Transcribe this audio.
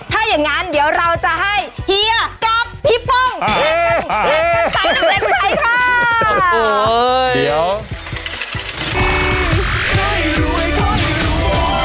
ถ้าอย่างงั้นเดี๋ยวเราจะให้เฮียกับพี่ป้องเฮียกับใสน้ำแข็งใสค่ะโอ้โหเฮ้ยเดี๋ยว